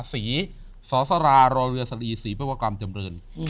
ศีรศรราโรเรียสารีศรีจริงว่ากลางจำเริน